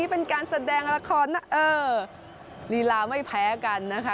เออลีลาไม่แพ้กันนะคะ